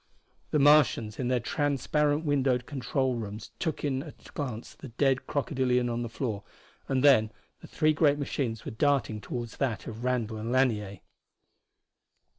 The Martians in their transparent windowed control rooms took in at a glance the dead crocodilian on the floor, and then the three great machines were darting toward that of Randall and Lanier.